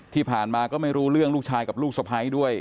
ที่ผ่านมาก็ไม่รู้เรื่องลูกชายกับลูกสะพ้ายด้วย